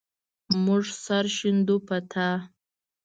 مونږ سر ښندو په تا